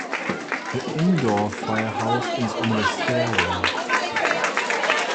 The indoor firehouse is on the stairwell.